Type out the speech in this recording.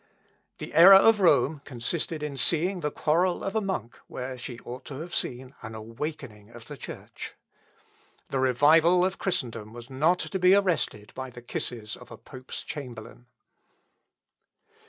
The error of Rome consisted in seeing the quarrel of a monk where she ought to have seen an awakening of the Church. The revival of Christendom was not to be arrested by the kisses of a pope's chamberlain.